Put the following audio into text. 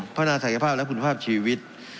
พัฒนาศักยภาพและคุณภาพชีวิต